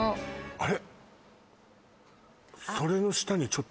あれ？